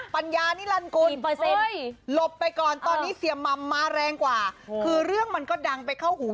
ปัญญานิรันกุลหลบไปก่อนตอนนี้เสียมัมมาแรงกว่าคือเรื่องมันก็ดังไปเข้าหู